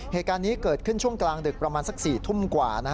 เหตุการณ์นี้เกิดขึ้นช่วงกลางดึกประมาณสัก๔ทุ่มกว่า